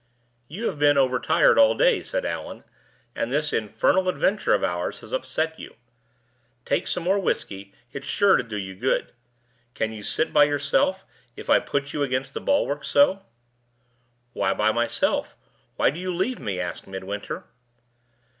"You have been overtired all day," said Allan, "and this infernal adventure of ours has upset you. Take some more whisky, it's sure to do you good. Can you sit by yourself, if I put you against the bulwark, so?" "Why by myself? Why do you leave me?" asked Midwinter.